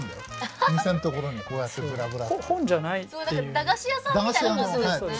駄菓子屋さんみたいな感じですね。